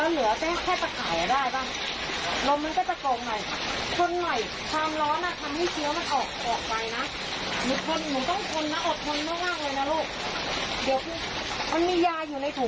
หนูนอนหงายเปล่าทุกวันนี้หนูนอนหงายไหมลูก